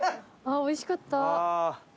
おいしかった。